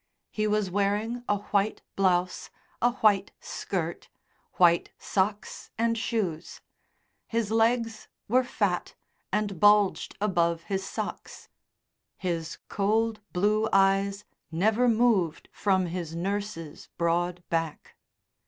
He was wearing a white blouse, a white skirt, white socks and shoes; his legs were fat and bulged above his socks; his cold blue eyes never moved from his nurse's broad back.